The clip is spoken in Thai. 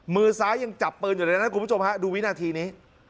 มือซ้ายยังจับปืนอยู่เลยนะคุณผู้ชมฮะดูวินาทีนี้